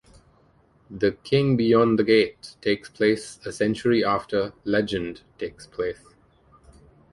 "The King Beyond the Gate" takes place a century after "Legend" takes place.